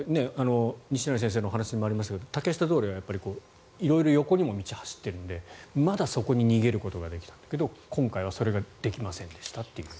西成先生のお話にもありましたが竹下通りは色々横にも道が走っているのでまだそこに逃げることができるんですが今回はそれができませんでしたという。